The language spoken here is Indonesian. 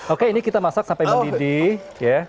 oke ini kita masak sampai mendidih ya